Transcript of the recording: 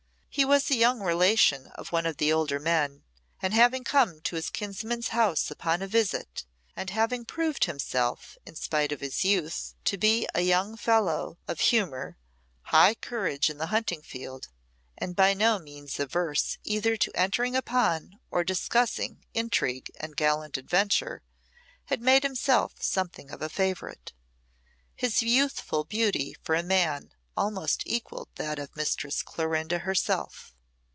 He was a young relation of one of the older men, and having come to his kinsman's house upon a visit, and having proved himself, in spite of his youth, to be a young fellow of humour, high courage in the hunting field, and by no means averse either to entering upon or discussing intrigue and gallant adventure, had made himself something of a favourite. His youthful beauty for a man almost equalled that of Mistress Clorinda herself.